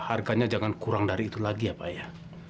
harganya jangan kurang dari itu lagi ya pak ya